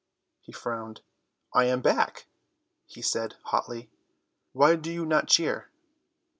He frowned. "I am back," he said hotly, "why do you not cheer?"